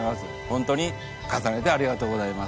ホントに重ねてありがとうございます。